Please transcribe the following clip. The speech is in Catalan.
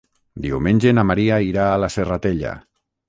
Diumenge na Maria irà a la Serratella.